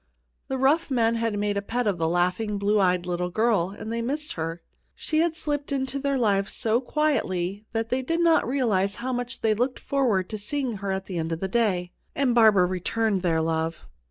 The rough men had made a pet of the laughing, blue eyed little girl, and they missed her. She had slipped into their lives so quietly that they did not realize how much they looked forward to seeing her at the end of the day. And Barbara returned their love.